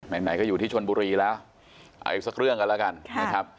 ไหนก็อยู่ที่ชนบุรีแล้วเอาอีกสักเรื่องกันแล้วกันนะครับ